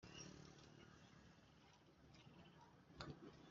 Ndi umuhungu wemeye imihigo yose.